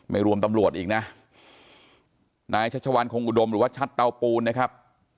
รวมตำรวจอีกนะนายชัชวานคงอุดมหรือว่าชัดเตาปูนนะครับ